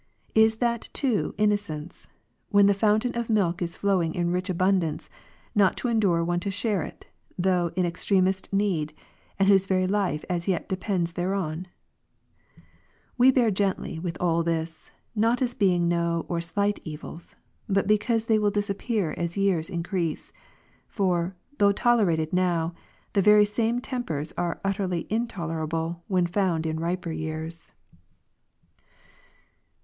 Is that too innocence, when the fountain of milk is flowing in rich abundance, not to endure one to share it, though in ex tremest need, and whose very life as yet depends thereon ? We bear gently with all this, not as being no or slight evils, but because they will disappear as years increase; for, though tolerated now, the very same tempers are utterly intolerable when found in riper years.